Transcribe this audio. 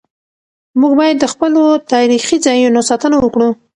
موږ باید د خپلو تاریخي ځایونو ساتنه وکړو.